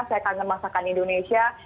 saya kangen masakan indonesia